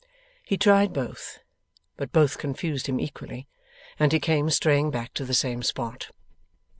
He tried both, but both confused him equally, and he came straying back to the same spot.